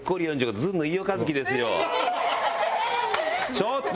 ちょっと！